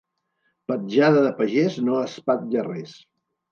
Petjada de pagès no espatlla res.